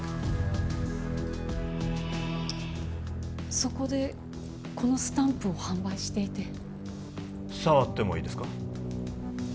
そこでこのスタンプを販売していて触ってもいいですか？